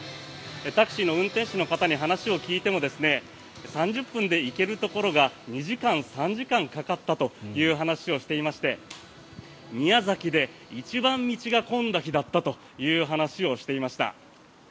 タクシーの運転手の方に話を聞いても３０分で行けるところが２時間、３時間かかったという話をしていまして宮崎で一番道が混んだ日だったという話をしていました。